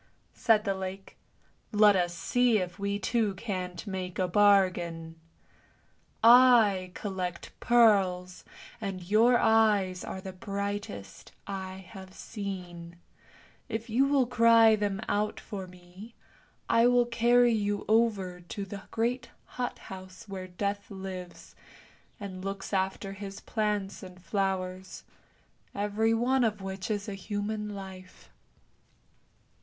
" said the lake. " Let us see if we two can't make a bargain! I collect pearls, and your eyes are the brightest I have seen ; if you will cry them out for me, I will carry you over to the great hot house where Death lives, and looks after his plants and flowers, every one of which is a human life."